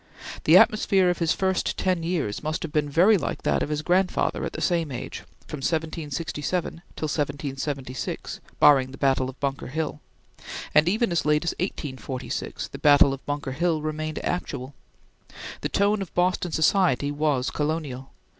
The atmosphere of his first ten years must have been very like that of his grandfather at the same age, from 1767 till 1776, barring the battle of Bunker Hill, and even as late as 1846, the battle of Bunker Hill remained actual. The tone of Boston society was colonial.